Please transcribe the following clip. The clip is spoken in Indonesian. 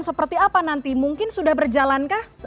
seperti apa nanti mungkin sudah berjalankah